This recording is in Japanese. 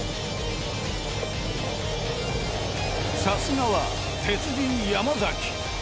さすがは鉄人山崎。